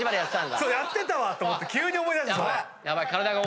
やってたわと思って急に思い出した。